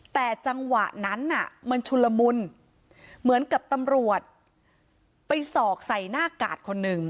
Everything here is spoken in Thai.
แต่จังหวะนั้นน่ะมันชุนละมุนเหมือนกับตำรวจไปสอกใส่หน้ากาดคนหนึ่ง